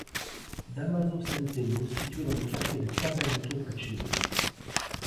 Dámaso Centeno, situé dans le quartier de Caballito, près de chez eux.